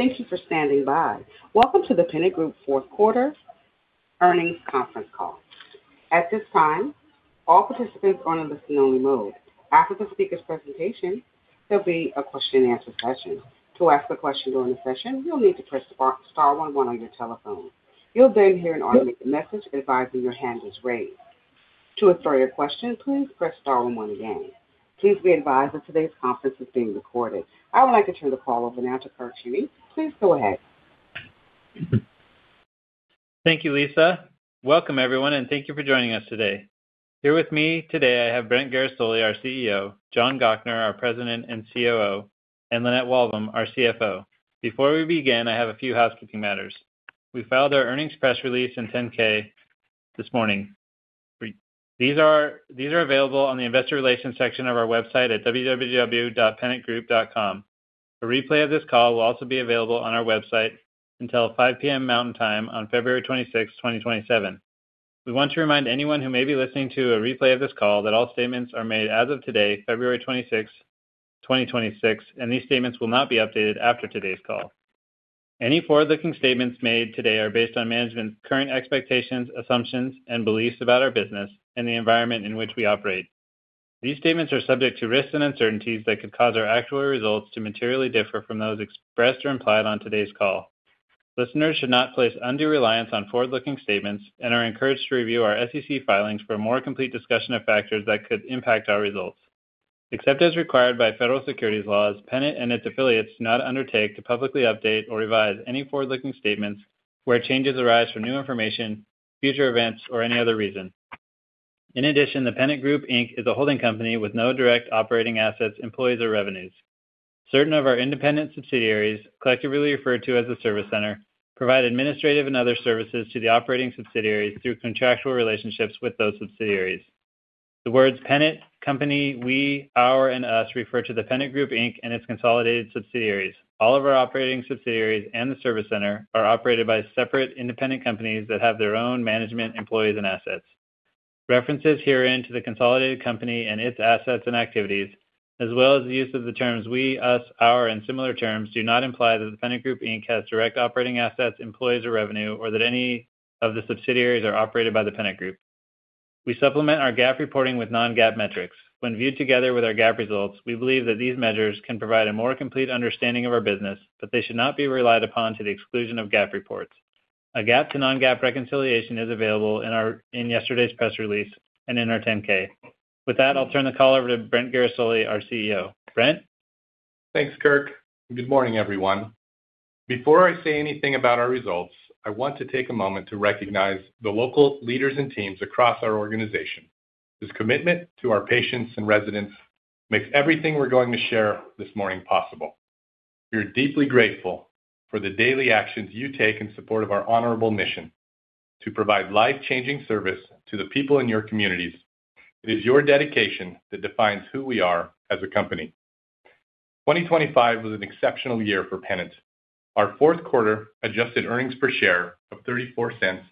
Thank you for standing by. Welcome to The Pennant Group Fourth Quarter Earnings Conference Call. At this time, all participants are in a listen-only mode. After the speaker's presentation, there'll be a question-and-answer session. To ask a question during the session, you'll need to press star *11* on your telephone. You'll then hear an automated message advising your hand is raised. To withdraw your question, please press star *11* again. Please be advised that today's conference is being recorded. I would like to turn the call over now to Kirk go ahead. Thank you, Lisa. Welcome, everyone, and thank you for joining us today. Here with me today, I have Brent Guerisoli, our CEO, John Gochnour, our President and COO, and Lynette Walbom, our CFO. Before we begin, I have a few housekeeping matters. We filed our earnings press release in 10-K this morning. These are available on the investor relations section of our website at www.pennantgroup.com. A replay of this call will also be available on our website until 5:00 P.M. Mountain Time on February 26th, 2027. We want to remind anyone who may be listening to a replay of this call that all statements are made as of today, February 26th, 2026, and these statements will not be updated after today's call. Any forward-looking statements made today are based on management's current expectations, assumptions, and beliefs about our business and the environment in which we operate. These statements are subject to risks and uncertainties that could cause our actual results to materially differ from those expressed or implied on today's call. Listeners should not place undue reliance on forward-looking statements and are encouraged to review our SEC filings for a more complete discussion of factors that could impact our results. Except as required by federal securities laws, Pennant and its affiliates do not undertake to publicly update or revise any forward-looking statements where changes arise from new information, future events, or any other reason. In addition, The Pennant Group, Inc. is a holding company with no direct operating assets, employees, or revenues. Certain of our independent subsidi aries, collectively referred to as the service center, provide administrative and other services to the operating subsidiaries through contractual relationships with those subsidiaries. The words Pennant, company, we, our, and us refer to The Pennant Group, Inc. and its consolidated subsidiaries. All of our operating subsidiaries and the service center are operated by separate independent companies that have their own management, employees, and assets. References herein to the consolidated company and its assets and activities, as well as the use of the terms we, us, our, and similar terms, do not imply that The Pennant Group, Inc. has direct operating assets, employees, or revenue, or that any of the subsidiaries are operated by The Pennant Group. We supplement our GAAP reporting with non-GAAP metrics. When viewed together with our GAAP results, we believe that these measures can provide a more complete understanding of our business. They should not be relied upon to the exclusion of GAAP reports. A GAAP to non-GAAP reconciliation is available in yesterday's press release and in our 10-K. With that, I'll turn the call over to Brent Guerisoli, our CEO. Brent? Thanks, Kirk. Good morning, everyone. Before I say anything about our results, I want to take a moment to recognize the local leaders and teams across our organization. This commitment to our patients and residents makes everything we're going to share this morning possible. We are deeply grateful for the daily actions you take in support of our honorable mission: to provide life-changing service to the people in your communities. It is your dedication that defines who we are as a company. 2025 was an exceptional year for Pennant. Our fourth quarter adjusted earnings per share of $0.34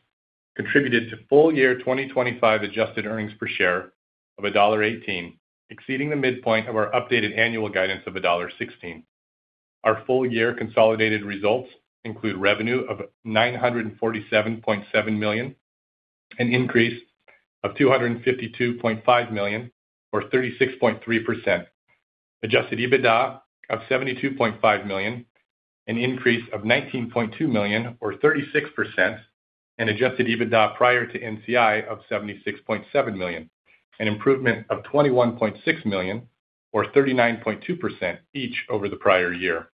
contributed to full year 2025 adjusted earnings per share of $1.18, exceeding the midpoint of our updated annual guidance of $1.16. Our full-year consolidated results include revenue of $947.7 million, an increase of $252.5 million, or 36.3%. adjusted EBITDA of $72.5 million, an increase of $19.2 million, or 36%, and adjusted EBITDA prior to NCI of $76.7 million, an improvement of $21.6 million, or 39.2% each over the prior year.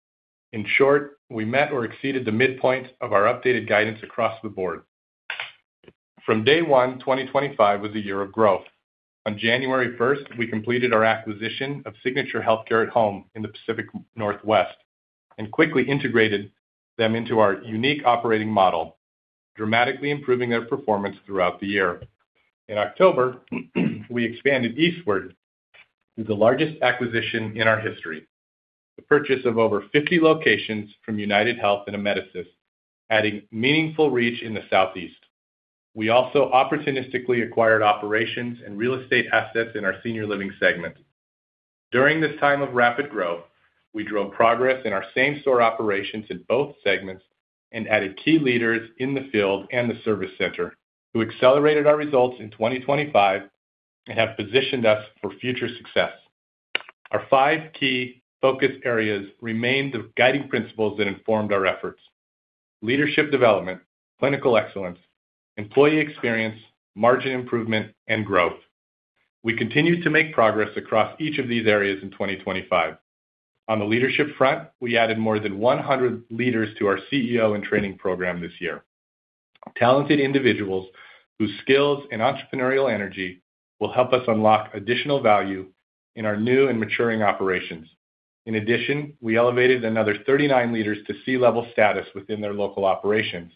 In short, we met or exceeded the midpoint of our updated guidance across the board. From day one, 2025 was a year of growth. On January 1st, we completed our acquisition of Signature Healthcare at Home in the Pacific Northwest and quickly integrated them into our unique operating model, dramatically improving their performance throughout the year. In October, we expanded eastward with the largest acquisition in our history, the purchase of over 50 locations from UnitedHealth and Amedisys, adding meaningful reach in the Southeast. We also opportunistically acquired operations and real estate assets in our senior living segment. During this time of rapid growth, we drove progress in our same-store operations in both segments and added key leaders in the field and the service center, who accelerated our results in 2025 and have positioned us for future success. Our five key focus areas remained the guiding principles that informed our efforts: leadership development, clinical excellence, employee experience, margin improvement, and growth. We continued to make progress across each of these areas in 2025. On the leadership front, we added more than 100 leaders to our CEO-in-Training program this year. Talented individuals whose skills and entrepreneurial energy will help us unlock additional value in our new and maturing operations. In addition, we elevated another 39 leaders to C-level status within their local operations.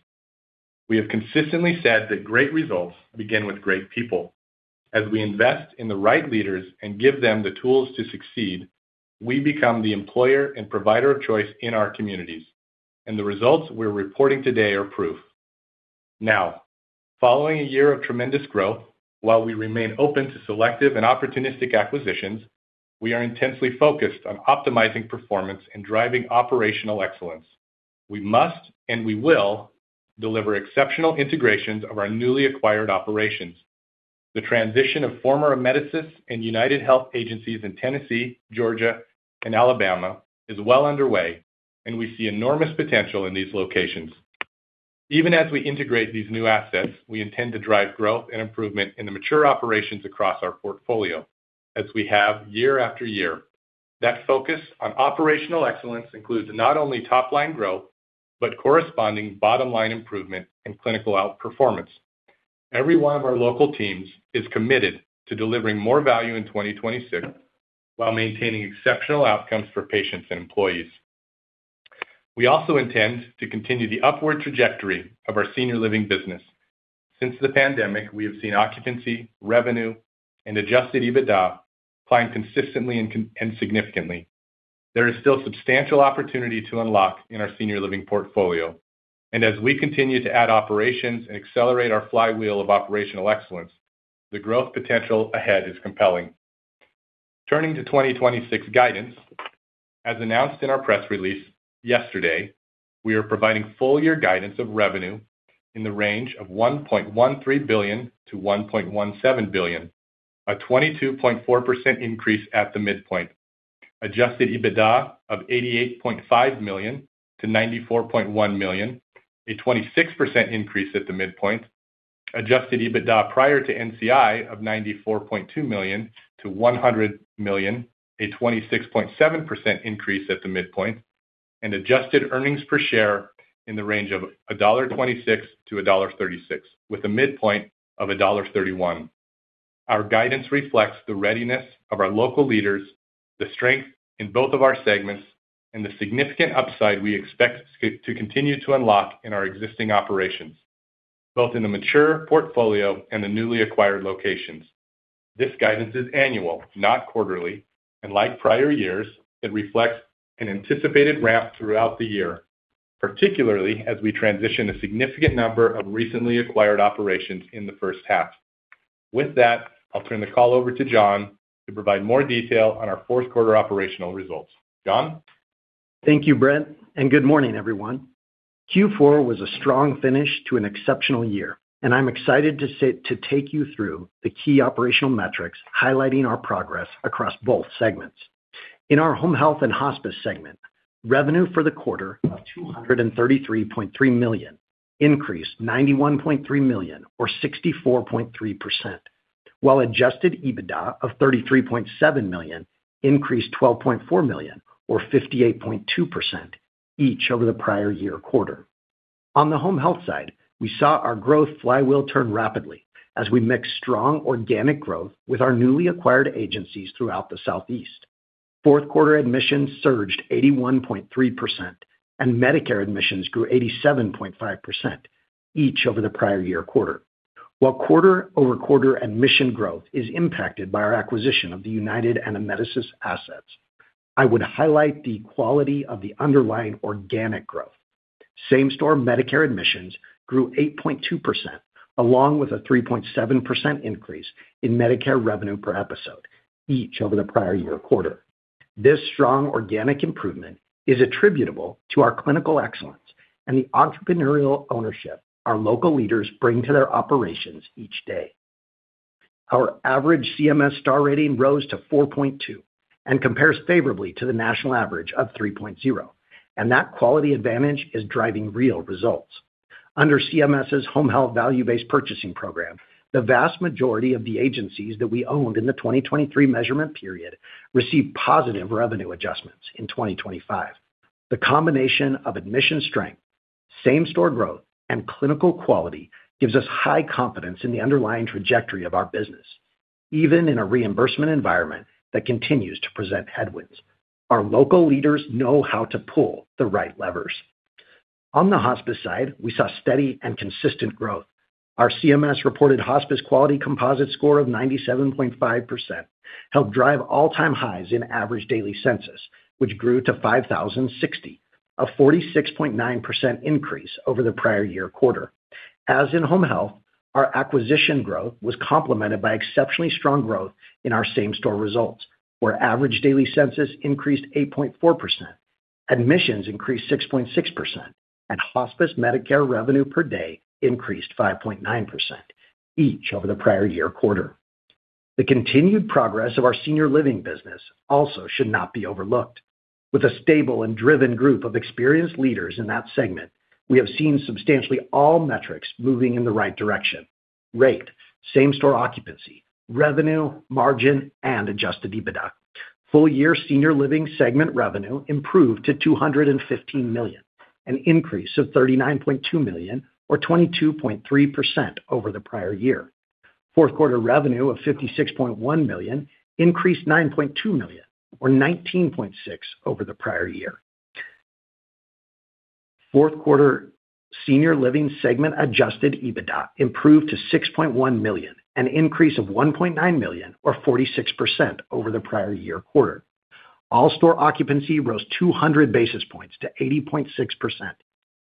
We have consistently said that great results begin with great people. As we invest in the right leaders and give them the tools to succeed, we become the employer and provider of choice in our communities, and the results we're reporting today are proof. Now, following a year of tremendous growth, while we remain open to selective and opportunistic acquisitions, we are intensely focused on optimizing performance and driving operational excellence. We must, and we will, deliver exceptional integrations of our newly acquired operations. The transition of former Amedisys and UnitedHealth agencies in Tennessee, Georgia, and Alabama is well underway, and we see enormous potential in these locations. Even as we integrate these new assets, we intend to drive growth and improvement in the mature operations across our portfolio, as we have year after year. That focus on operational excellence includes not only top line growth, but corresponding bottom line improvement and clinical outperformance. Every one of our local teams is committed to delivering more value in 2026, while maintaining exceptional outcomes for patients and employees. We also intend to continue the upward trajectory of our senior living business. Since the pandemic, we have seen occupancy, revenue, and adjusted EBITDA climb consistently and significantly. There is still substantial opportunity to unlock in our senior living portfolio. As we continue to add operations and accelerate our flywheel of operational excellence, the growth potential ahead is compelling. Turning to 2026 guidance, as announced in our press release yesterday, we are providing full year guidance of revenue in the range of $1.13 billion-$1.17 billion, a 22.4% increase at the midpoint. Adjusted EBITDA of $88.5 million-$94.1 million, a 26% increase at the midpoint. Adjusted EBITDA prior to NCI of $94.2 million-$100 million, a 26.7% increase at the midpoint, and adjusted earnings per share in the range of $1.26-$1.36, with a midpoint of $1.31. Our guidance reflects the readiness of our local leaders, the strength in both of our segments, and the significant upside we expect to continue to unlock in our existing operations, both in the mature portfolio and the newly acquired locations. This guidance is annual, not quarterly, and like prior years, it reflects an anticipated ramp throughout the year, particularly as we transition a significant number of recently acquired operations in the first half. With that, I'll turn the call over to John to provide more detail on our fourth quarter operational results. John? Thank you, Brent, and good morning, everyone. Q4 was a strong finish to an exceptional year, and I'm excited to take you through the key operational metrics highlighting our progress across both segments. In our home health and hospice segment, revenue for the quarter of $233.3 million increased $91.3 million, or 64.3%, while adjusted EBITDA of $33.7 million increased $12.4 million, or 58.2%, each over the prior year quarter. On the home health side, we saw our growth flywheel turn rapidly as we mixed strong organic growth with our newly acquired agencies throughout the Southeast. Fourth quarter admissions surged 81.3%, and Medicare admissions grew 87.5% each over the prior year quarter. While quarter-over-quarter admission growth is impacted by our acquisition of the United and Amedisys assets, I would highlight the quality of the underlying organic growth. Same-store Medicare admissions grew 8.2%, along with a 3.7% increase in Medicare revenue per episode, each over the prior-year quarter. This strong organic improvement is attributable to our clinical excellence and the entrepreneurial ownership our local leaders bring to their operations each day. Our average CMS star rating rose to 4.2 and compares favorably to the national average of 3.0, that quality advantage is driving real results. Under CMS's Home Health Value-Based Purchasing Model, the vast majority of the agencies that we owned in the 2023 measurement period received positive revenue adjustments in 2025. The combination of admission strength, same-store growth, and clinical quality gives us high confidence in the underlying trajectory of our business, even in a reimbursement environment that continues to present headwinds. Our local leaders know how to pull the right levers. On the hospice side, we saw steady and consistent growth. Our CMS reported hospice quality composite score of 97.5%, helped drive all-time highs in average daily census, which grew to 5,060, a 46.9% increase over the prior year quarter. As in home health, our acquisition growth was complemented by exceptionally strong growth in our same-store results, where average daily census increased 8.4%, admissions increased 6.6%, and hospice Medicare revenue per day increased 5.9%, each over the prior year quarter. The continued progress of our senior living business also should not be overlooked. With a stable and driven group of experienced leaders in that segment, we have seen substantially all metrics moving in the right direction: rate, same-store occupancy, revenue, margin, and adjusted EBITDA. Full-year senior living segment revenue improved to $215 million, an increase of $39.2 million, or 22.3% over the prior year. Fourth quarter revenue of $56.1 million increased $9.2 million, or 19.6% over the prior year. Fourth quarter senior living segment adjusted EBITDA improved to $6.1 million, an increase of $1.9 million, or 46% over the prior year quarter. All store occupancy rose 200 basis points to 80.6%,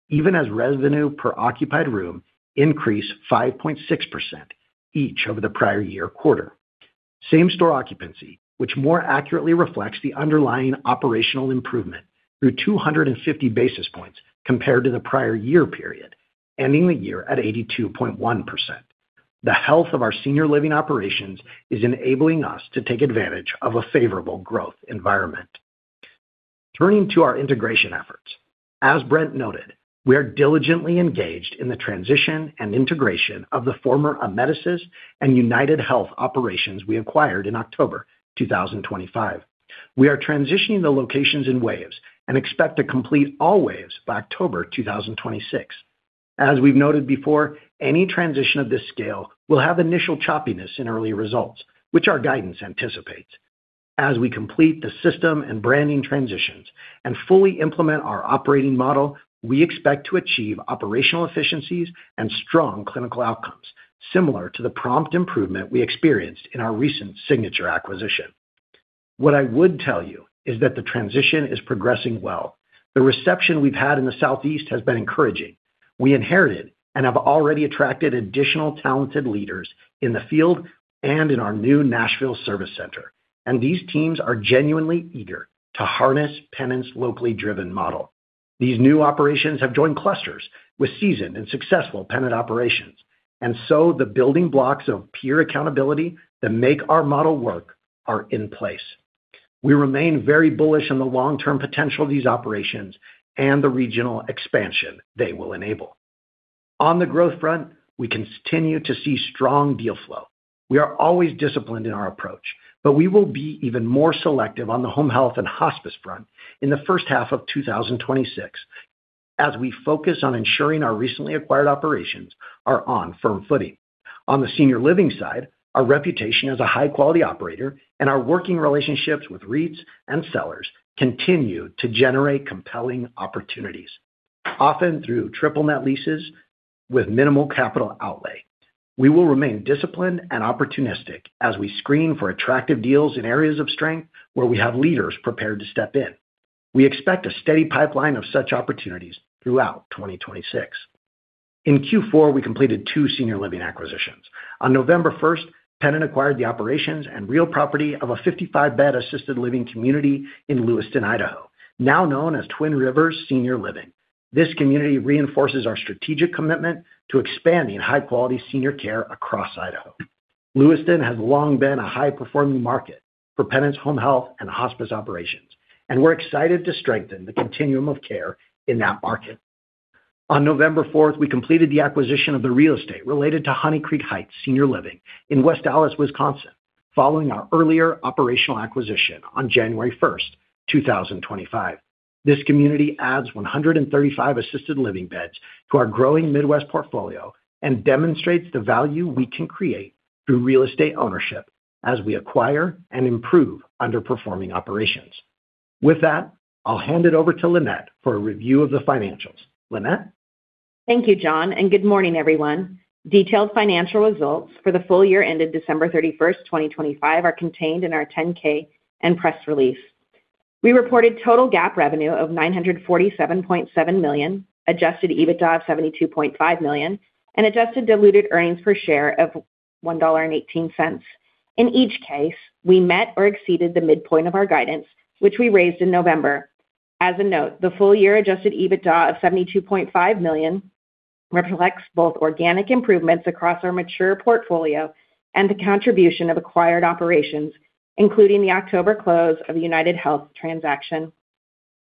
even as revenue per occupied room increased 5.6%, each over the prior year quarter. Same store occupancy, which more accurately reflects the underlying operational improvement, through 250 basis points compared to the prior year period, ending the year at 82.1%. The health of our senior living operations is enabling us to take advantage of a favorable growth environment. Turning to our integration efforts, as Brent noted, we are diligently engaged in the transition and integration of the former Amedisys and UnitedHealth operations we acquired in October 2025. We are transitioning the locations in waves and expect to complete all waves by October 2026. As we've noted before, any transition of this scale will have initial choppiness in early results, which our guidance anticipates. As we complete the system and branding transitions and fully implement our operating model, we expect to achieve operational efficiencies and strong clinical outcomes, similar to the prompt improvement we experienced in our recent Signature acquisition. What I would tell you is that the transition is progressing well. The reception we've had in the Southeast has been encouraging. We inherited and have already attracted additional talented leaders in the field and in our new Nashville service center. These teams are genuinely eager to harness Pennant's locally driven model. These new operations have joined clusters with seasoned and successful Pennant operations. The building blocks of peer accountability that make our model work are in place. We remain very bullish on the long-term potential of these operations and the regional expansion they will enable. On the growth front, we continue to see strong deal flow. We are always disciplined in our approach, but we will be even more selective on the home health and hospice front in the first half of 2026, as we focus on ensuring our recently acquired operations are on firm footing. On the senior living side, our reputation as a high-quality operator and our working relationships with REITs and sellers continue to generate compelling opportunities, often through triple net leases with minimal capital outlay. We will remain disciplined and opportunistic as we screen for attractive deals in areas of strength where we have leaders prepared to step in. We expect a steady pipeline of such opportunities throughout 2026. In Q4, we completed 2 senior living acquisitions. On November 1st, Pennant acquired the operations and real property of a 55-bed assisted living community in Lewiston, Idaho, now known as Twin Rivers Senior Living. This community reinforces our strategic commitment to expanding high-quality senior care across Idaho. Lewiston has long been a high-performing market for Pennant's Home Health and Hospice operations, and we're excited to strengthen the continuum of care in that market. On November 4th, we completed the acquisition of the real estate related to Honey Creek Heights Senior Living in West Allis, Wisconsin, following our earlier operational acquisition on January 1st, 2025. This community adds 135 assisted living beds to our growing Midwest portfolio and demonstrates the value we can create through real estate ownership as we acquire and improve underperforming operations. With that, I'll hand it over to Lynette for a review of the financials. Lynette? Thank you, John. Good morning, everyone. Detailed financial results for the full year ended December 31st, 2025, are contained in our 10-K and press release. We reported total GAAP revenue of $947.7 million, adjusted EBITDA of $72.5 million, and adjusted diluted earnings per share of $1.18. In each case, we met or exceeded the midpoint of our guidance, which we raised in November. As a note, the full year adjusted EBITDA of $72.5 million reflects both organic improvements across our mature portfolio and the contribution of acquired operations, including the October close of the UnitedHealth transaction.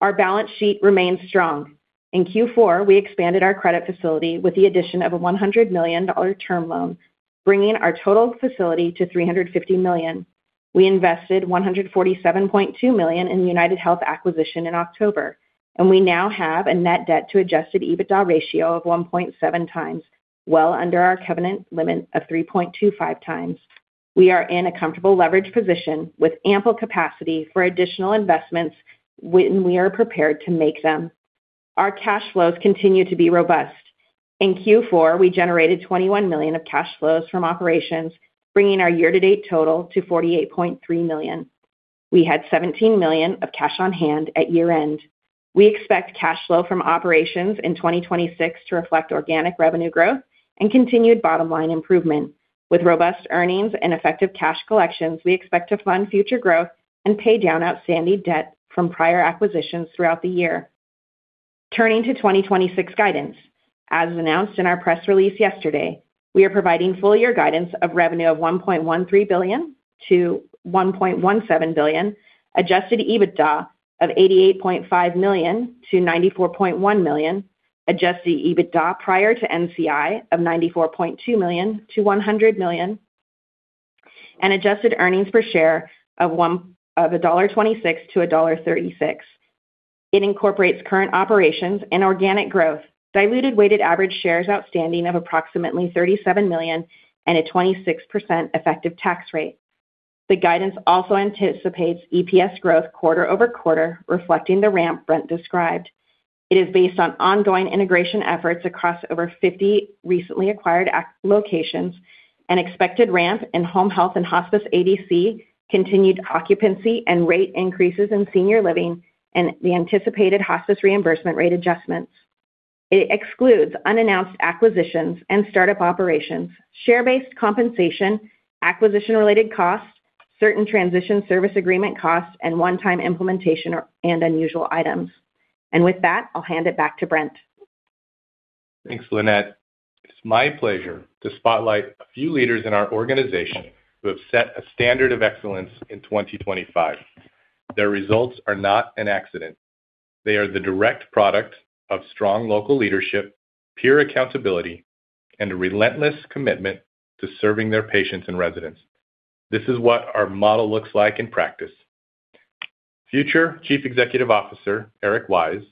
Our balance sheet remains strong. In Q4, we expanded our credit facility with the addition of a $100 million term loan, bringing our total facility to $350 million. We invested $147.2 million in the UnitedHealth acquisition in October. We now have a net debt to adjusted EBITDA ratio of 1.7x, well under our covenant limit of 3.25x. We are in a comfortable leverage position with ample capacity for additional investments when we are prepared to make them. Our cash flows continue to be robust. In Q4, we generated $21 million of cash flows from operations, bringing our year-to-date total to $48.3 million. We had $17 million of cash on hand at year-end. We expect cash flow from operations in 2026 to reflect organic revenue growth and continued bottom line improvement. With robust earnings and effective cash collections, we expect to fund future growth and pay down outstanding debt from prior acquisitions throughout the year. Turning to 2026 guidance. As announced in our press release yesterday, we are providing full year guidance of revenue of $1.13 billion-$1.17 billion, adjusted EBITDA of $88.5 million-$94.1 million, adjusted EBITDA prior to NCI of $94.2 million-$100 million, and adjusted earnings per share of $1.26-$1.36. It incorporates current operations and organic growth, diluted weighted average shares outstanding of approximately 37 million, and a 26% effective tax rate. The guidance also anticipates EPS growth quarter-over-quarter, reflecting the ramp Brent described. It is based on ongoing integration efforts across over 50 recently acquired act locations and expected ramp in home health and hospice ADC, continued occupancy and rate increases in senior living, and the anticipated hospice reimbursement rate adjustments. It excludes unannounced acquisitions and startup operations, share-based compensation, acquisition-related costs, certain transition services agreement costs, and one-time implementation and unusual items. With that, I'll hand it back to Brent. Thanks, Lynette. It's my pleasure to spotlight a few leaders in our organization who have set a standard of excellence in 2025. Their results are not an accident. They are the direct product of strong local leadership, pure accountability, and a relentless commitment to serving their patients and residents. This is what our model looks like in practice. Future Chief Executive Officer, Eric Wise,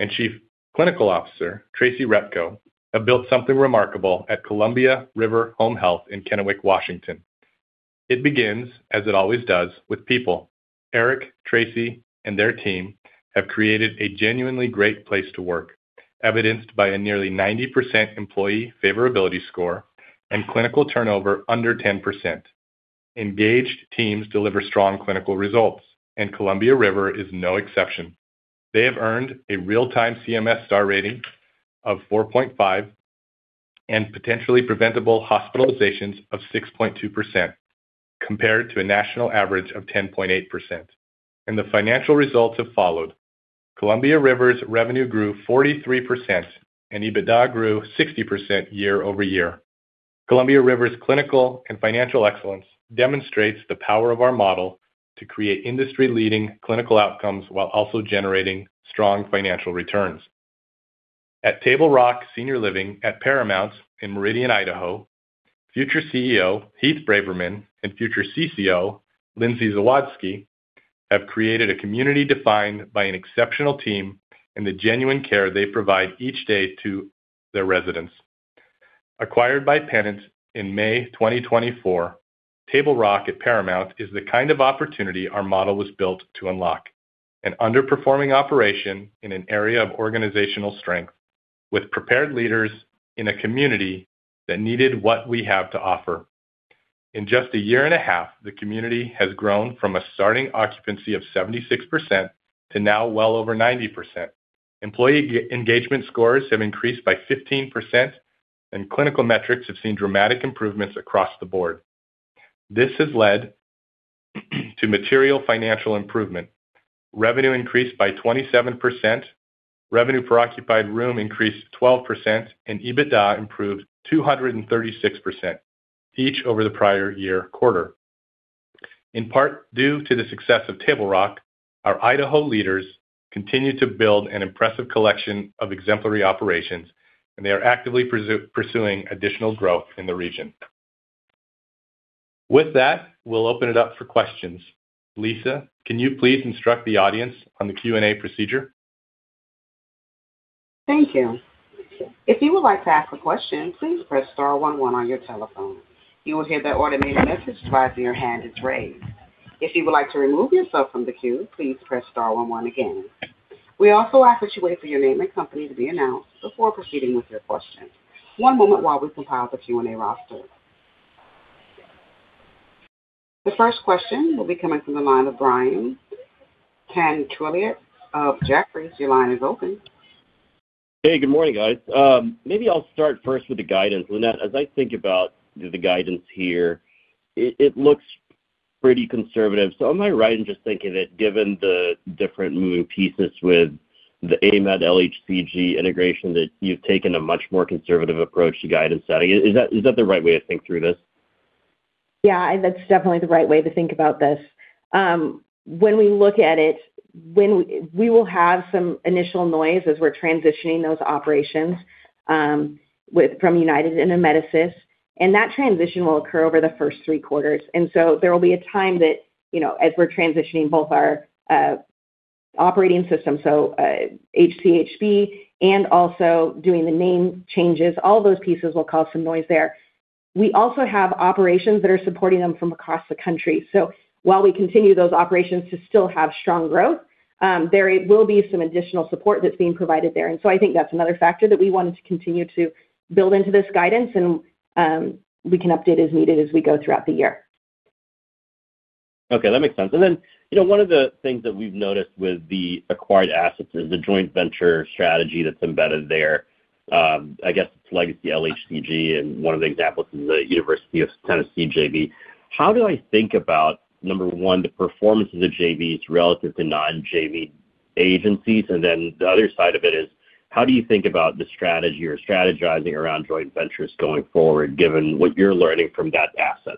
and Chief Clinical Officer, Traci Repko, have built something remarkable at Columbia River Home Health in Kennewick, Washington. It begins, as it always does, with people. Eric, Traci, and their team have created a genuinely great place to work, evidenced by a nearly 90% employee favorability score and clinical turnover under 10%. Engaged teams deliver strong clinical results, and Columbia River is no exception. They have earned a real-time CMS star rating of 4.5 and potentially preventable hospitalizations of 6.2%, compared to a national average of 10.8%. The financial results have followed. Columbia River's revenue grew 43%, and EBITDA grew 60% year-over-year. Columbia River's clinical and financial excellence demonstrates the power of our model to create industry-leading clinical outcomes while also generating strong financial returns. At Table Rock Senior Living at Paramount in Meridian, Idaho, future CEO, Heath Braverman, and future CCO, Lindsay Zawadzki, have created a community defined by an exceptional team and the genuine care they provide each day to their residents. Acquired by Pennant in May 2024, Table Rock at Paramount is the kind of opportunity our model was built to unlock. An underperforming operation in an area of organizational strength, with prepared leaders in a community that needed what we have to offer. In just a year and a half, the community has grown from a starting occupancy of 76% to now well over 90%. Employee engagement scores have increased by 15%. Clinical metrics have seen dramatic improvements across the board. This has led to material financial improvement. Revenue increased by 27%, revenue per occupied room increased 12%, and EBITDA improved 236%, each over the prior year quarter. In part, due to the success of Table Rock, our Idaho leaders continue to build an impressive collection of exemplary operations. They are actively pursuing additional growth in the region. With that, we'll open it up for questions. Lisa, can you please instruct the audience on the Q&A procedure? Thank you. If you would like to ask a question, please press star one one on your telephone. You will hear the automated message advising your hand is raised. If you would like to remove yourself from the queue, please press star one one again. We also ask that you wait for your name and company to be announced before proceeding with your question. One moment while we compile the Q&A roster. The first question will be coming from the line of Brian Tanquilut of Jefferies. Your line is open. Hey, good morning, guys. Maybe I'll start first with the guidance. Lynette, as I think about the guidance here, it looks pretty conservative. Am I right in just thinking that given the different moving pieces with the Amedisys/LHCG integration, that you've taken a much more conservative approach to guidance setting? Is that the right way to think through this? Yeah, that's definitely the right way to think about this. When we look at it, when we will have some initial noise as we're transitioning those operations, with, from United into Amedisys, that transition will occur over the first three quarters. There will be a time that, you know, as we're transitioning both our operating system, so HCHB and also doing the name changes, all those pieces will cause some noise there. We also have operations that are supporting them from across the country. While we continue those operations to still have strong growth, there will be some additional support that's being provided there. I think that's another factor that we wanted to continue to build into this guidance, and we can update as needed as we go throughout the year. Okay, that makes sense. You know, one of the things that we've noticed with the acquired assets is the joint venture strategy that's embedded there. I guess, legacy LHCG, and one of the examples is the University of Tennessee JV. How do I think about, number one, the performances of JVs relative to non-JV agencies? The other side of it is, how do you think about the strategy or strategizing around joint ventures going forward, given what you're learning from that asset?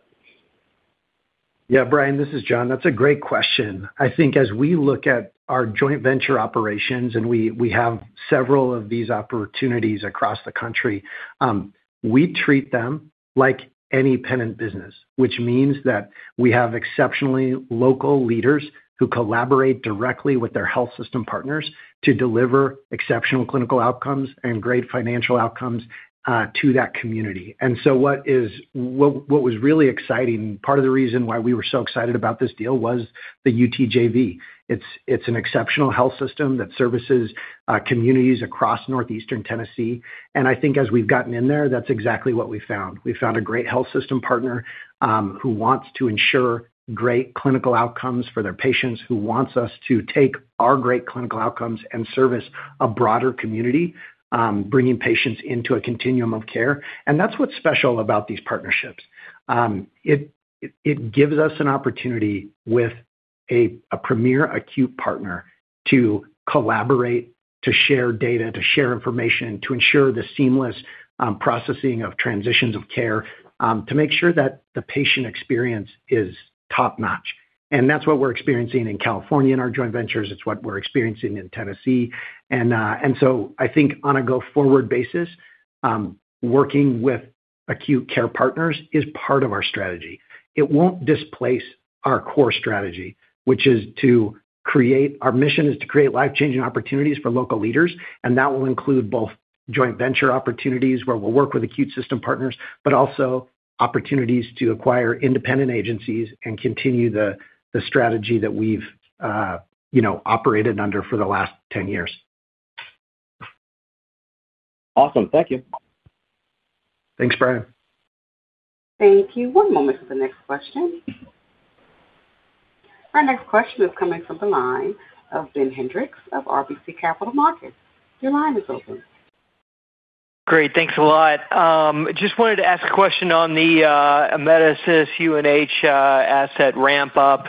Brian, this is John. That's a great question. I think as we look at our joint venture operations, we have several of these opportunities across the country, we treat them like any Pennant business, which means that we have exceptionally local leaders who collaborate directly with their health system partners to deliver exceptional clinical outcomes and great financial outcomes, to that community. What was really exciting, part of the reason why we were so excited about this deal was the UTJV. It's an exceptional health system that services communities across northeastern Tennessee. I think as we've gotten in there, that's exactly what we found. We found a great health system partner, who wants to ensure great clinical outcomes for their patients, who wants us to take our great clinical outcomes and service a broader community, bringing patients into a continuum of care. That's what's special about these partnerships. It gives us an opportunity with a premier acute partner to collaborate, to share data, to share information, to ensure the seamless processing of transitions of care, to make sure that the patient experience is top-notch. That's what we're experiencing in California, in our joint ventures. It's what we're experiencing in Tennessee. I think on a go-forward basis, working with acute care partners is part of our strategy. It won't displace our core strategy, which is to create. Our mission is to create life-changing opportunities for local leaders. That will include both joint venture opportunities, where we'll work with acute system partners. Also opportunities to acquire independent agencies and continue the strategy that we've, you know, operated under for the last 10 years. Awesome. Thank you. Thanks, Brian. Thank you. One moment for the next question. Our next question is coming from the line of Ben Hendrix of RBC Capital Markets. Your line is open. Great. Thanks a lot. Just wanted to ask a question on the Amedisys UNH asset ramp up.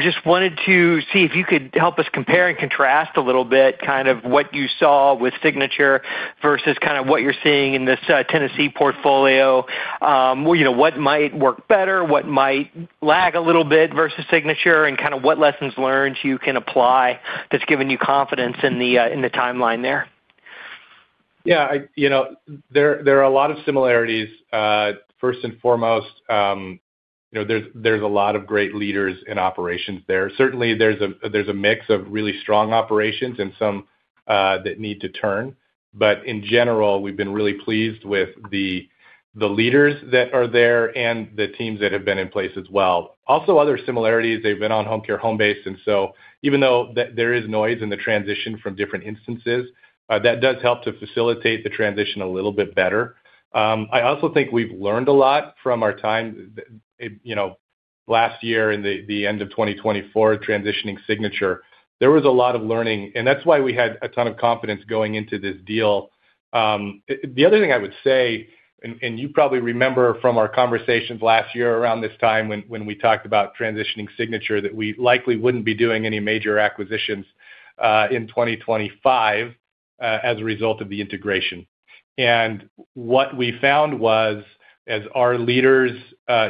Just wanted to see if you could help us compare and contrast a little bit, kind of what you saw with Signature versus kind of what you're seeing in this Tennessee portfolio. You know, what might work better, what might lag a little bit versus Signature, and kind of what lessons learned you can apply that's given you confidence in the timeline there? Yeah, you know, there are a lot of similarities. First and foremost, you know, there's a lot of great leaders in operations there. Certainly, there's a mix of really strong operations and some that need to turn. In general, we've been really pleased with the leaders that are there and the teams that have been in place as well. Also, other similarities, they've been on Homecare Homebase, even though there is noise in the transition from different instances, that does help to facilitate the transition a little bit better. I also think we've learned a lot from our time, you know, last year in the end of 2024, transitioning Signature. There was a lot of learning, and that's why we had a ton of confidence going into this deal. The other thing I would say, and you probably remember from our conversations last year around this time when we talked about transitioning Signature, that we likely wouldn't be doing any major acquisitions in 2025 as a result of the integration. What we found was, as our leaders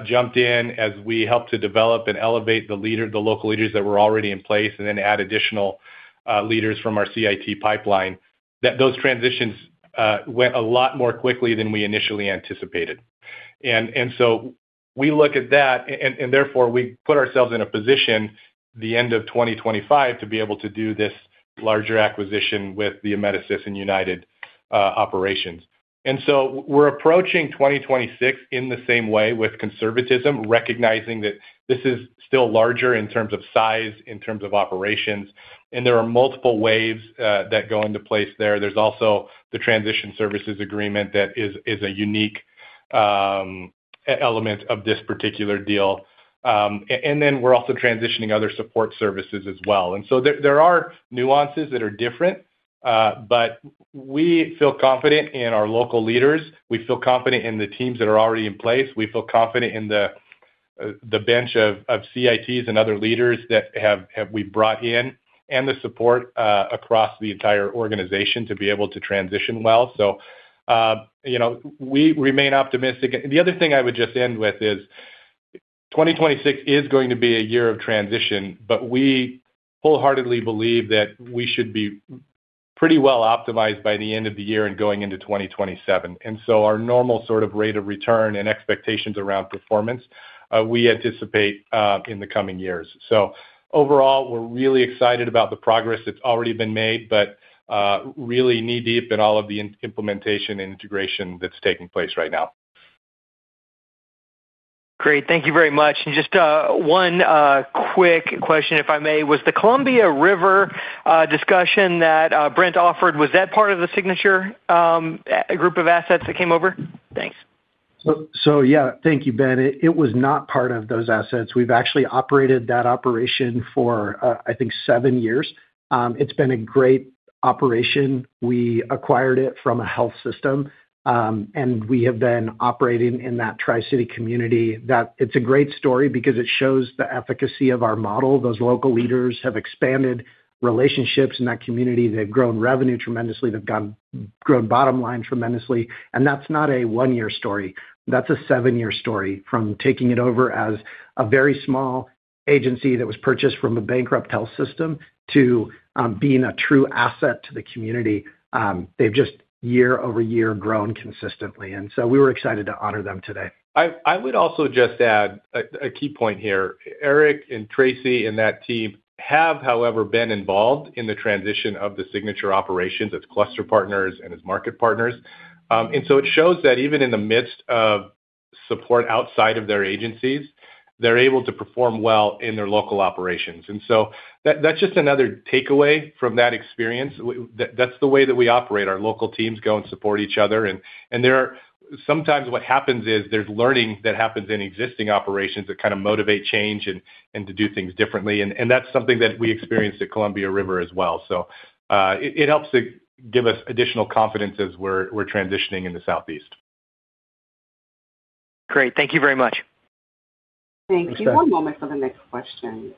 jumped in, as we helped to develop and elevate the local leaders that were already in place, and then add additional leaders from our CIT pipeline, that those transitions went a lot more quickly than we initially anticipated. We look at that. Therefore, we put ourselves in a position, the end of 2025, to be able to do this larger acquisition with the Amedisys and United operations. We're approaching 2026 in the same way with conservatism, recognizing that this is still larger in terms of size, in terms of operations, and there are multiple waves that go into place there. There's also the transition services agreement that is a unique element of this particular deal. We're also transitioning other support services as well. There are nuances that are different, but we feel confident in our local leaders. We feel confident in the teams that are already in place. We feel confident in the bench of CITs and other leaders that we brought in, and the support across the entire organization to be able to transition well. You know, we remain optimistic. The other thing I would just end with is, 2026 is going to be a year of transition, but we wholeheartedly believe that we should be pretty well optimized by the end of the year and going into 2027. Our normal sort of rate of return and expectations around performance, we anticipate in the coming years. Overall, we're really excited about the progress that's already been made, but really knee-deep in all of the implementation and integration that's taking place right now. Great. Thank you very much. Just one quick question, if I may. Was the Columbia River discussion that Brent offered, was that part of the Signature group of assets that came over? Thanks. Yeah, thank you, Ben. It was not part of those assets. We've actually operated that operation for, I think 7 years. It's been a great operation. We acquired it from a health system, we have been operating in that Tri-City community. It's a great story because it shows the efficacy of our model. Those local leaders have expanded relationships in that community. They've grown revenue tremendously, grown bottom line tremendously, that's not a 1-year story. That's a 7-year story from taking it over as a very small agency that was purchased from a bankrupt health system to being a true asset to the community. They've just year-over-year, grown consistently, we were excited to honor them today. I would also just add a key point here. Eric and Traci and that team have, however, been involved in the transition of the Signature operations as cluster partners and as market partners. It shows that even in the midst of support outside of their agencies, they're able to perform well in their local operations. That's just another takeaway from that experience. That's the way that we operate. Our local teams go and support each other, and there are, Sometimes what happens is there's learning that happens in existing operations that kind of motivate change and to do things differently. That's something that we experienced at Columbia River as well. It helps to.... give us additional confidence as we're transitioning in the Southeast. Great. Thank you very much. Thank you. One moment for the next question.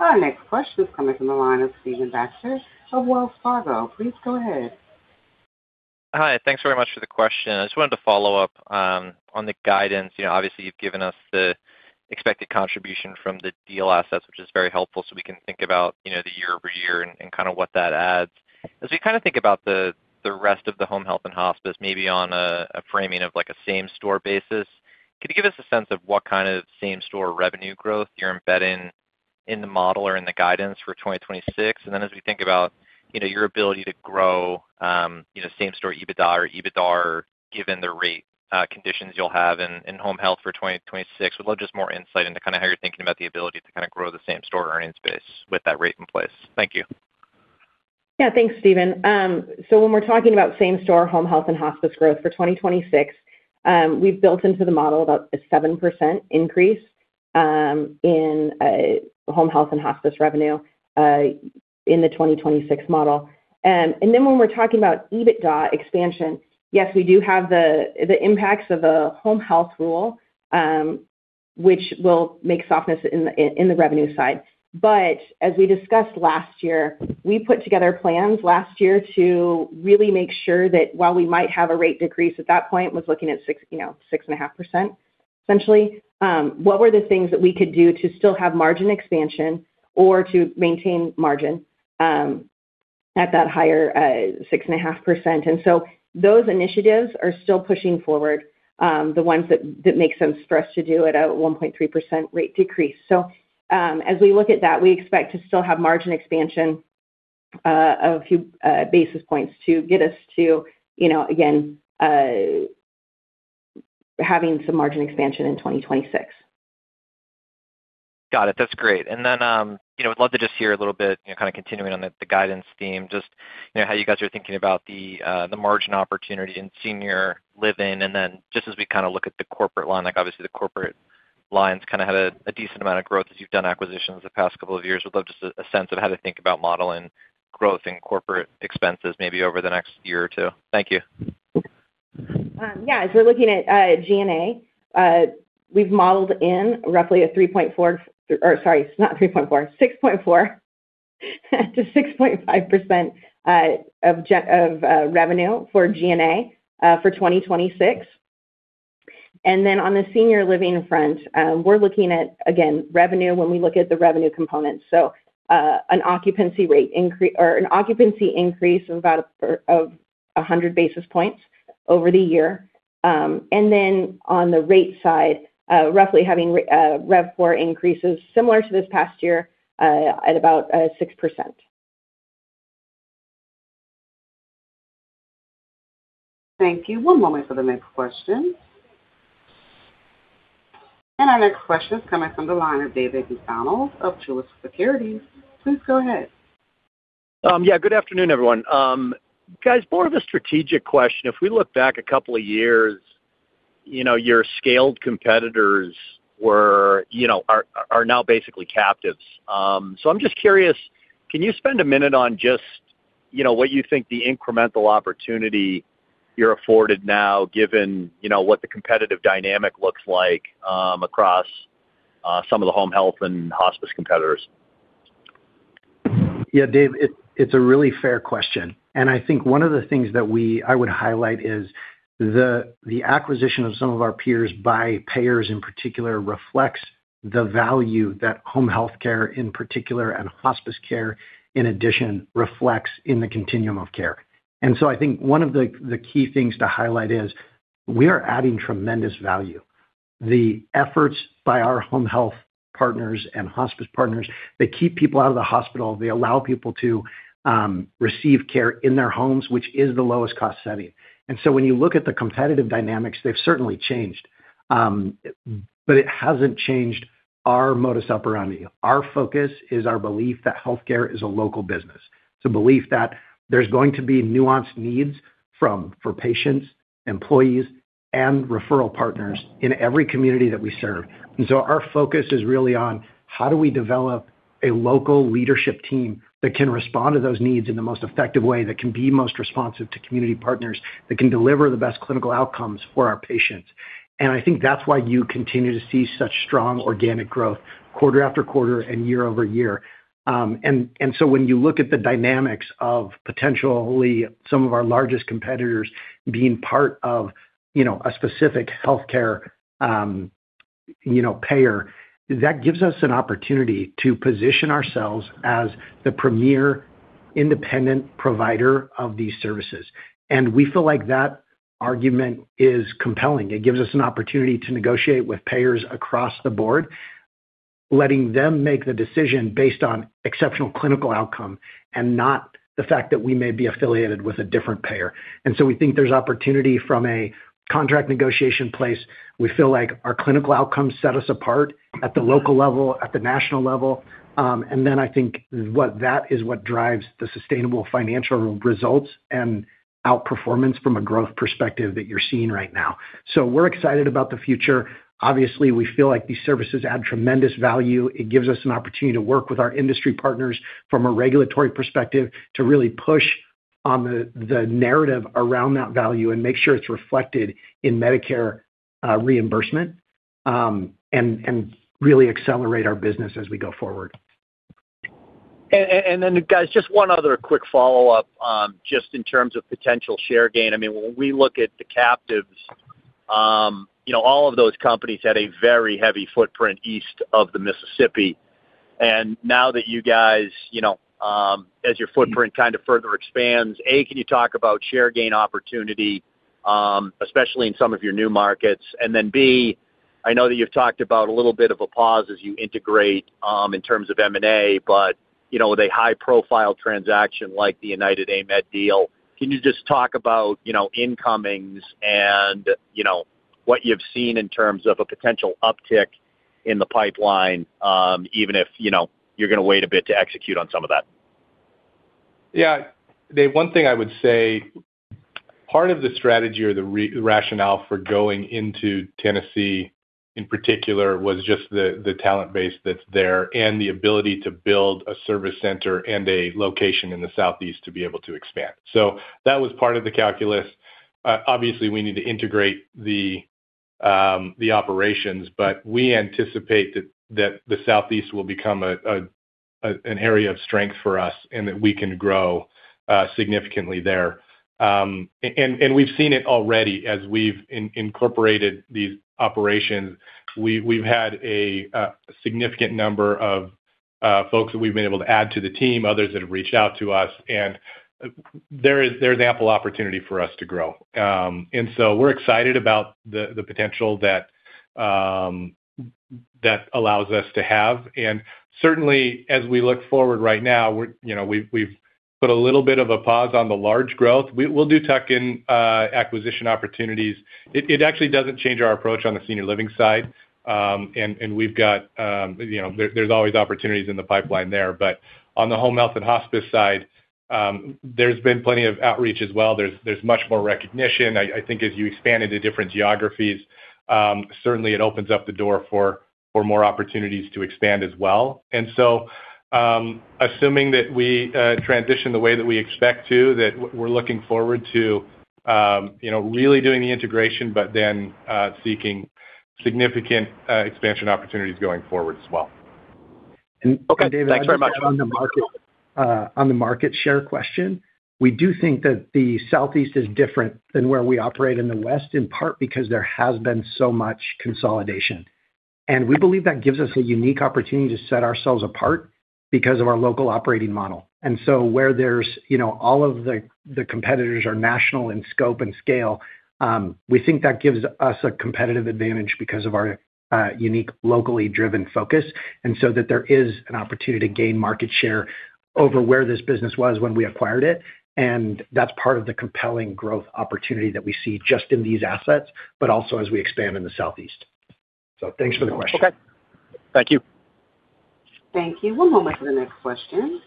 Our next question is coming from the line of Stephen Baxter of Wells Fargo. Please go ahead. Hi, thanks very much for the question. I just wanted to follow up on the guidance. You know, obviously, you've given us the expected contribution from the deal assets, which is very helpful, so we can think about, you know, the year-over-year and kind of what that adds. As we kind of think about the rest of the home health and hospice, maybe on a framing of like a same-store basis, could you give us a sense of what kind of same-store revenue growth you're embedding in the model or in the guidance for 2026? As we think about, you know, your ability to grow, you know, same-store EBITDA or EBITDAR, given the rate conditions you'll have in home health for 2026, would love just more insight into kind of how you're thinking about the ability to kind of grow the same-store earning space with that rate in place. Thank you. Yeah, thanks, Stephen. When we're talking about same-store home health and hospice growth for 2026, we've built into the model about a 7% increase in home health and hospice revenue in the 2026 model. When we're talking about EBITDA expansion, yes, we do have the impacts of the home health rule, which will make softness in the revenue side. As we discussed last year, we put together plans last year to really make sure that while we might have a rate decrease at that point, was looking at 6, you know, 6.5%, essentially, what were the things that we could do to still have margin expansion or to maintain margin at that higher 6.5%? Those initiatives are still pushing forward, the ones that make sense for us to do at a 1.3% rate decrease. As we look at that, we expect to still have margin expansion of a few basis points to get us to, you know, again, having some margin expansion in 2026. Got it. That's great. You know, I'd love to just hear a little bit, you know, kind of continuing on the guidance theme, just, you know, how you guys are thinking about the margin opportunity in senior living. Just as we kind of look at the corporate line, like, obviously the corporate lines kind of had a decent amount of growth as you've done acquisitions the past couple of years. Would love just a sense of how to think about modeling growth in corporate expenses, maybe over the next year or 2. Thank you. As we're looking at GNA, we've modeled in roughly a 3.4, or sorry, not 3.4, 6.4%-6.5% of revenue for GNA for 2026. On the senior living front, we're looking at, again, revenue when we look at the revenue components. An occupancy rate or an occupancy increase of about 100 basis points over the year. On the rate side, roughly having rev four increases similar to this past year, at about 6%. Thank you. One moment for the next question. Our next question is coming from the line of David MacDonald of Truist Securities. Please go ahead. Yeah, good afternoon, everyone. Guys, more of a strategic question. If we look back a couple of years, you know, your scaled competitors were, you know, are now basically captives. I'm just curious, can you spend a minute on just, you know, what you think the incremental opportunity you're afforded now, given, you know, what the competitive dynamic looks like, across some of the home health and hospice competitors? Yeah, Dave, it's a really fair question. I think one of the things I would highlight is the acquisition of some of our peers by payers in particular, reflects the value that home healthcare in particular, and hospice care, in addition, reflects in the continuum of care. I think one of the key things to highlight is we are adding tremendous value. The efforts by our home health partners and hospice partners, they keep people out of the hospital. They allow people to receive care in their homes, which is the lowest cost setting. When you look at the competitive dynamics, they've certainly changed, but it hasn't changed our modus operandi. Our focus is our belief that healthcare is a local business. It's a belief that there's going to be nuanced needs for patients, employees, and referral partners in every community that we serve. Our focus is really on how do we develop a local leadership team that can respond to those needs in the most effective way, that can be most responsive to community partners, that can deliver the best clinical outcomes for our patients? I think that's why you continue to see such strong organic growth quarter after quarter and year-over-year. When you look at the dynamics of potentially some of our largest competitors being part of, you know, a specific healthcare, you know, payer, that gives us an opportunity to position ourselves as the premier independent provider of these services. We feel like that argument is compelling. It gives us an opportunity to negotiate with payers across the board, letting them make the decision based on exceptional clinical outcome and not the fact that we may be affiliated with a different payer. We think there's opportunity from a contract negotiation place. We feel like our clinical outcomes set us apart at the local level, at the national level. I think that is what drives the sustainable financial results and outperformance from a growth perspective that you're seeing right now. We're excited about the future. Obviously, we feel like these services add tremendous value. It gives us an opportunity to work with our industry partners from a regulatory perspective, to really push on the narrative around that value and make sure it's reflected in Medicare reimbursement and really accelerate our business as we go forward. Then, guys, just one other quick follow-up, just in terms of potential share gain. I mean, when we look at the captives, you know, all of those companies had a very heavy footprint east of the Mississippi. Now that you guys, you know, as your footprint kind of further expands, A, can you talk about share gain opportunity, especially in some of your new markets? Then, B, I know that you've talked about a little bit of a pause as you integrate, in terms of M&A, but you know, with a high-profile transaction like the UnitedHealth-Amedisys deal, can you just talk about, you know, incomings and, you know, what you've seen in terms of a potential uptick in the pipeline, even if you know, you're gonna wait a bit to execute on some of that? Yeah. Dave, one thing I would say, part of the strategy or the rationale for going into Tennessee, in particular, was just the talent base that's there and the ability to build a service center and a location in the southeast to be able to expand. That was part of the calculus. Obviously, we need to integrate the operations, but we anticipate that the southeast will become an area of strength for us, and that we can grow significantly there. We've seen it already as we've incorporated these operations. We've had a significant number of folks that we've been able to add to the team, others that have reached out to us, and there's ample opportunity for us to grow. So we're excited about the potential that allows us to have. Certainly, as we look forward right now, we're, you know, we've put a little bit of a pause on the large growth. We'll do tuck-in acquisition opportunities. It actually doesn't change our approach on the senior living side. We've got, you know, there's always opportunities in the pipeline there. On the home health and hospice side, there's been plenty of outreach as well. There's much more recognition. I think as you expand into different geographies, certainly it opens up the door for more opportunities to expand as well. Assuming that we transition the way that we expect to, that we're looking forward to, you know, really doing the integration, but then seeking significant expansion opportunities going forward as well. Okay, thanks very much. On the market, on the market share question, we do think that the Southeast is different than where we operate in the West, in part because there has been so much consolidation. And we believe that gives us a unique opportunity to set ourselves apart because of our local operating model. Where there's, you know, all of the competitors are national in scope and scale, we think that gives us a competitive advantage because of our unique, locally driven focus. That there is an opportunity to gain market share over where this business was when we acquired it, and that's part of the compelling growth opportunity that we see just in these assets, but also as we expand in the Southeast. Thanks for the question. Okay. Thank you. Thank you. One moment for the next question.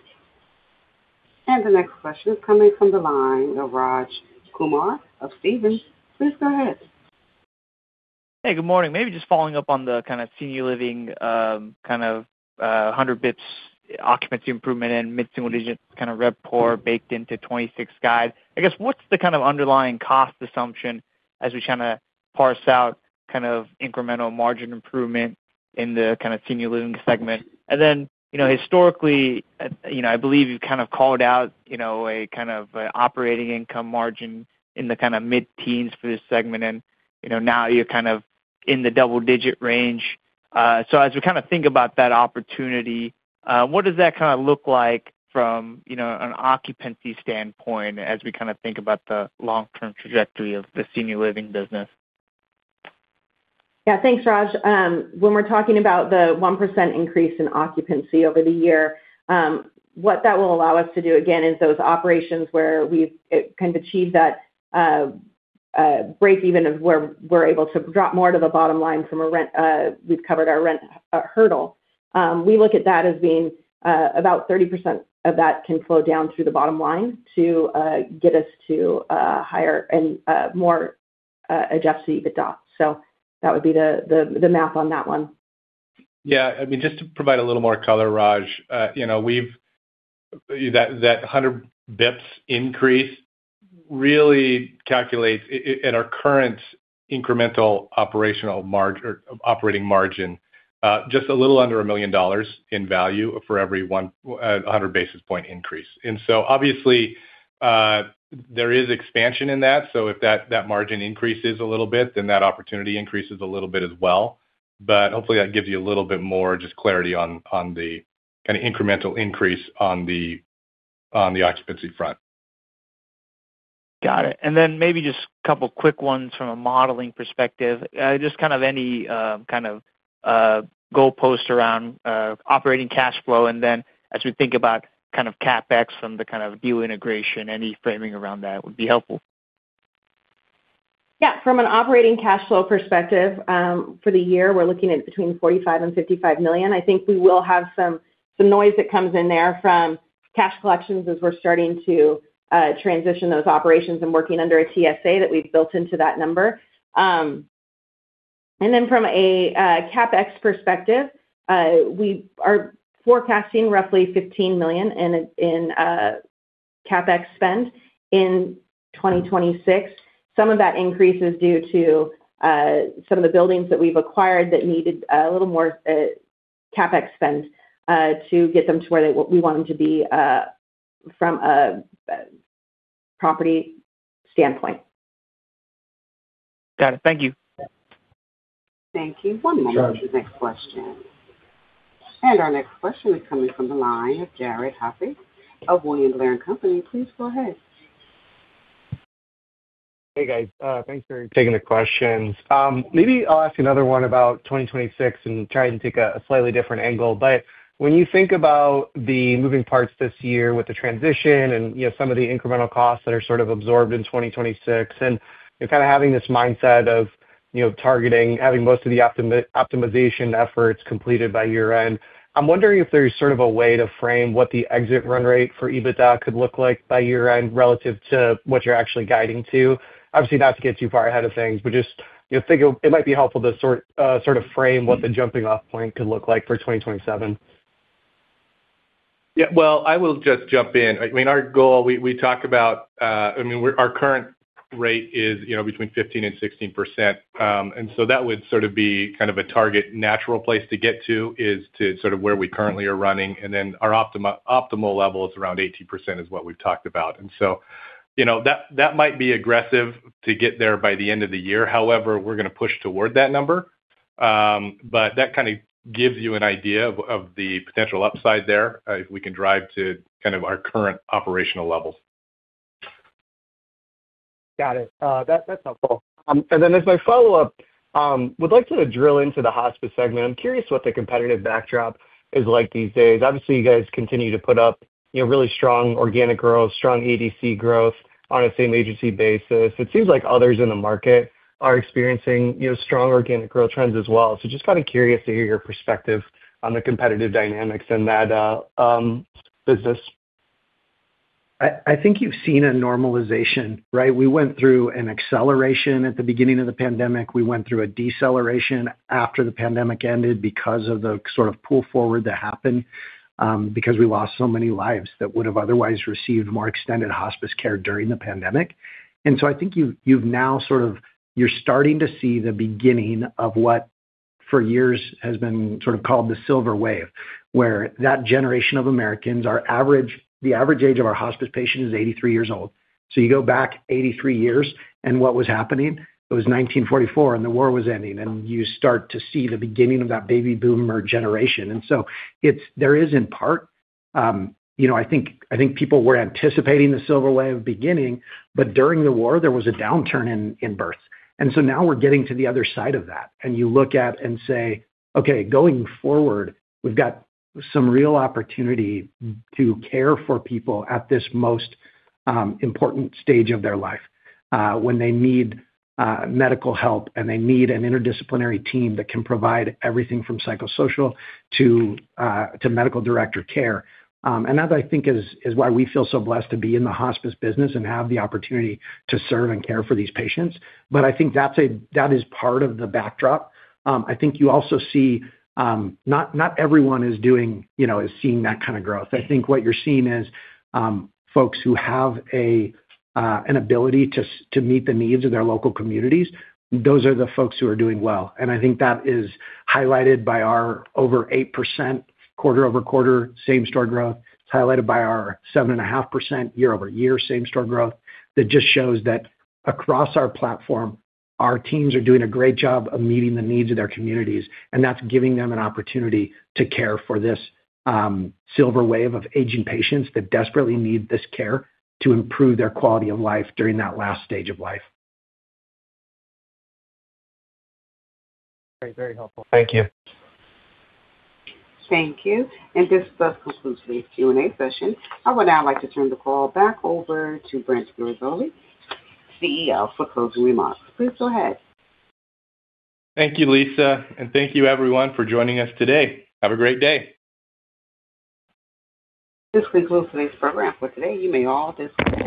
The next question is coming from the line of Raj Kumar of Stephens. Please go ahead. Hey, good morning. Maybe just following up on the kind of senior living, kind of, 100 basis points occupancy improvement and mid-single digit % revenue per occupied room, baked into 2026 guide. I guess, what's the kind of underlying cost assumption as we try to parse out kind of incremental margin improvement in the kind of senior living segment? You know, historically, you know, I believe you've kind of called out, you know, a kind of operating income margin in the kind of mid-teens for this segment, and, you know, now you're kind of in the double-digit range. As we kind of think about that opportunity, what does that kind look like from, you know, an occupancy standpoint as we kind of think about the long-term trajectory of the senior living business? Yeah. Thanks, Raj. When we're talking about the 1% increase in occupancy over the year, what that will allow us to do again, is those operations where we've kind of achieved that break even of where we're able to drop more to the bottom line from a rent, we've covered our rent hurdle. We look at that as being about 30% of that can flow down through the bottom line to get us to higher and more adjusted EBITDA. That would be the math on that one. Yeah. I mean, just to provide a little more color, Raj, you know, we've that 100 Bips increase really calculates in our current incremental operational margin, or operating margin, just a little under $1 million in value for every 100 basis point increase. Obviously, there is expansion in that. If that margin increases a little bit, then that opportunity increases a little bit as well. Hopefully, that gives you a little bit more just clarity on the kind of incremental increase on the occupancy front. Got it. Maybe just a couple quick ones from a modeling perspective, just kind of any goalpost around operating cash flow, and as we think about kind of CapEx and the kind of view integration, any framing around that would be helpful? Yeah. From an operating cash flow perspective, for the year, we're looking at between $45 million and $55 million. I think we will have some noise that comes in there from cash collections as we're starting to transition those operations and working under a TSA that we've built into that number. Then from a CapEx perspective, we are forecasting roughly $15 million in CapEx spend in 2026. Some of that increase is due to some of the buildings that we've acquired that needed a little more CapEx spend to get them to where we want them to be from a property standpoint. Got it. Thank you. Thank you. One moment for the next question. Our next question is coming from the line of Jared Haase of William Blair & Company. Please go ahead. Hey, guys. Thanks for taking the questions. Maybe I'll ask another one about 2026 and try and take a slightly different angle. When you think about the moving parts this year with the transition and, you know, some of the incremental costs that are sort of absorbed in 2026, and you're kind of having this mindset of, you know, targeting, having most of the optimization efforts completed by year-end. I'm wondering if there's sort of a way to frame what the exit run rate for EBITDA could look like by year-end relative to what you're actually guiding to. Obviously, not to get too far ahead of things, but just, you know, think it might be helpful to sort sort of frame what the jumping-off point could look like for 2027. Yeah. Well, I will just jump in. I mean, our goal, we talk about, I mean, our current rate is, you know, between 15% and 16%. That would sort of be kind of a target natural place to get to, is to sort of where we currently are running, and then our optimal level is around 18%, is what we've talked about. You know, that might be aggressive to get there by the end of the year. However, we're gonna push toward that number. That kind of gives you an idea of the potential upside there, if we can drive to kind of our current operational levels. Got it. That's helpful. As my follow-up, would like to drill into the hospice segment. I'm curious what the competitive backdrop is like these days. Obviously, you guys continue to put up, you know, really strong organic growth, strong ADC growth on a same agency basis. It seems like others in the market are experiencing, you know, strong organic growth trends as well. Just kind of curious to hear your perspective on the competitive dynamics in that business. I think you've seen a normalization, right? We went through an acceleration at the beginning of the pandemic. We went through a deceleration after the pandemic ended because of the sort of pull forward that happened, because we lost so many lives that would have otherwise received more extended hospice care during the pandemic. I think you're starting to see the beginning of what, for years, has been sort of called the silver wave, where that generation of Americans, the average age of our hospice patient is 83 years old. You go back 83 years, what was happening? It was 1944, the war was ending, you start to see the beginning of that Baby Boomer generation. There is in part, you know, I think, I think people were anticipating the silver wave beginning, but during the war, there was a downturn in births. Now we're getting to the other side of that, and you look at and say, "Okay, going forward, we've got some real opportunity to care for people at this most important stage of their life, when they need medical help, and they need an interdisciplinary team that can provide everything from psychosocial to medical director care." That, I think, is why we feel so blessed to be in the hospice business and have the opportunity to serve and care for these patients. But I think that is part of the backdrop. I think you also see, not everyone is doing, you know, is seeing that kind of growth. I think what you're seeing is, folks who have an ability to meet the needs of their local communities, those are the folks who are doing well. I think that is highlighted by our over 8% quarter-over-quarter same-store growth. It's highlighted by our 7.5% year-over-year same-store growth. That just shows that across our platform, our teams are doing a great job of meeting the needs of their communities. That's giving them an opportunity to care for this silver wave of aging patients that desperately need this care to improve their quality of life during that last stage of life. Great, very helpful. Thank you. Thank you. This does conclude today's Q&A session. I would now like to turn the call back over to Brent Guerisoli, CEO, for closing remarks. Please go ahead. Thank you, Lisa, and thank you, everyone, for joining us today. Have a great day. This concludes today's program. For today, you may all disconnect.